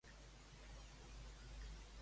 Hi ha gent que combina Castanyada i Halloween.